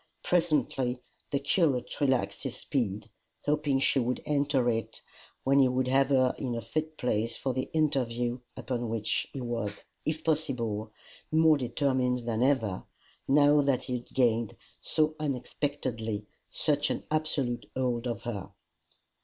Presently the curate relaxed his speed, hoping she would enter it, when he would have her in a fit place for the interview upon which he was, if possible, more determined than ever, now that he had gained, so unexpectedly, such an absolute hold of her.